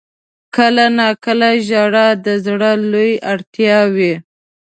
• کله ناکله ژړا د زړه لویه اړتیا وي.